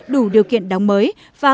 đủ điều kiện đóng mới